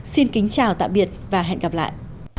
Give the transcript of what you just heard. xin kính chào tạm biệt và hẹn gặp lại